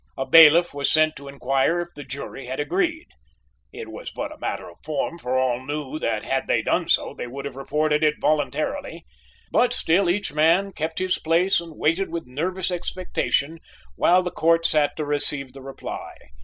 A bailiff was sent to inquire if the jury had agreed. It was but a matter of form, for all knew that had they done so, they would have reported it voluntarily; but still each man kept his place and waited with nervous expectation, while the court sat to receive the reply.